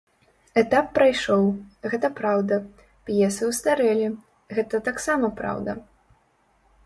Этап прайшоў, гэта праўда, п'есы ўстарэлі, гэта таксама праўда.